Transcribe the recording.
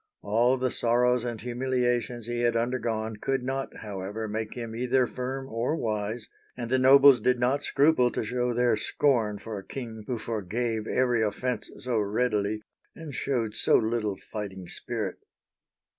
All the sorrows and humiliations he had undergone could not, however, make him either firm or wise ; and the nobles did not scruple to show their scorn for a king who forgave every offense so readily, and showed so little fighting spirit.